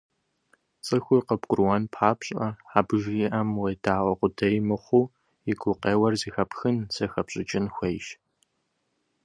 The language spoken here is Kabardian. ЦӀыхур къыбгурыӀуэн папщӀэ, абы жиӏэм уедаӀуэ къудей мыхъуу, и гукъеуэр зэхэпхын, зэхэпщӏыкӏын хуейщ.